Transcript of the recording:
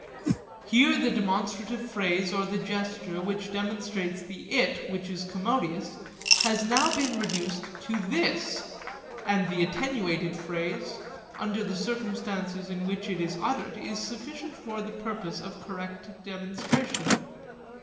Here the demonstrative phrase or the gesture, which demonstrates the 'it' which is commodious, has now been reduced to 'this'; and the attenuated phrase, under the circumstances in which it is uttered, is sufficient for the purpose of correct demonstration.